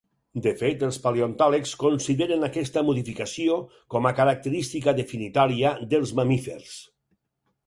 De fet, els paleontòlegs consideren aquesta modificació com a característica definitòria dels mamífers.